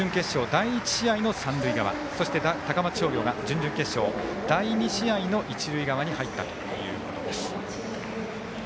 仙台育英は準々決勝第１試合の三塁側そして高松商業が準々決勝第２試合の一塁側に入ったということです。